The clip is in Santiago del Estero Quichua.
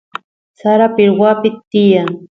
sara pirwapi tiyan